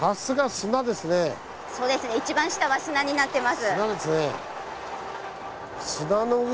そうですね一番下は砂になってます。